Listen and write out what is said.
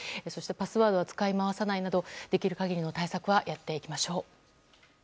パスワードは使い回さないなどできる限りの対策はやっていきましょう。